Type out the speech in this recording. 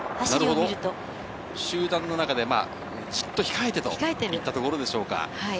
なるほど、集団の中で、じっと控えてといったところでしょうか。